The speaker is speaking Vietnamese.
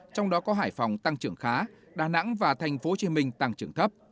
trong đó có hải phòng tăng trưởng khá đà nẵng và tp hcm tăng trưởng thấp